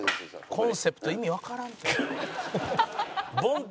「コンセプト意味わからんて」